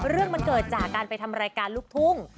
เรื่องมันเกิดจากการไปทำรายการลูกทุ่ง